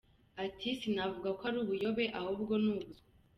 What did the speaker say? Ati “Sinavuga ko ari ubuyobe ahubwo ni ubuswa.